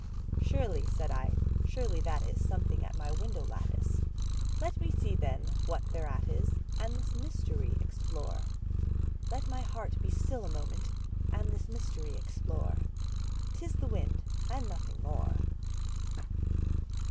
"Surely," said I, "surely that is something at my window lattice; Let me see, then, what thereat is, and this mystery explore; Let my heart be still a moment and this mystery explore:'T is the wind and nothing more."